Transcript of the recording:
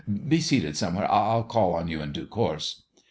Be seated somewhere. I'll call on you in due course."